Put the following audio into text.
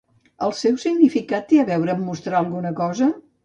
El seu significat té a veure amb mostrar alguna cosa?